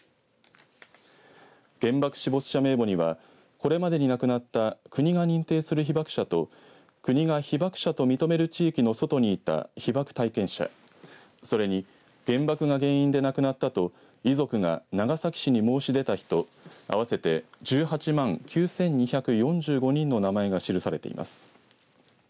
原爆死没者名簿にはこれまでに亡くなった国が認定する被爆者と国が被爆者と認める地域の外にいた被爆体験者それに原爆が原因で亡くなったと遺族が長崎市に申し出た人合わせて１８万９２４５人の名前が記されています。